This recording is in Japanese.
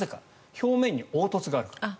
表面に凹凸があるから。